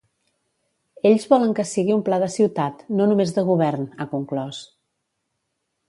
Ells volen que sigui un pla de ciutat, no només de govern, ha conclòs.